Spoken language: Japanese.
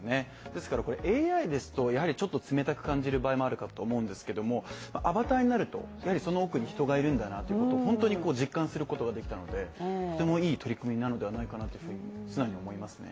ですからＡＩですと、ちょっと冷たく感じる場合もあるかと思うんですけれどもアバターになると、やはりその奥に人がいるんだなと実感することができたので、とてもいい取り組みなのではないかと素直に思いますね。